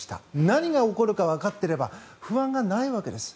何が起こるかわかっていれば不安がないわけです。